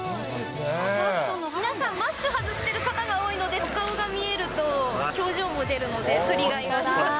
皆さん、マスク外してる方が多いので、お顔が見えると表情も出るので、撮りがいがあります。